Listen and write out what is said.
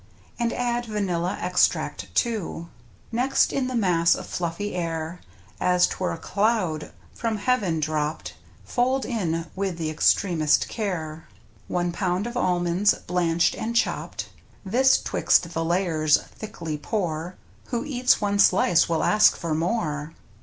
And add vanilla extract, too. Next in the mass so fluffy fair (As 'twere a cloud from Heaven dropped!), ^ Fold in with the extremest care One pound of almonds, blanched and chopped. This 'twixt the layers thickly pour — Who eats one slice will ask for more.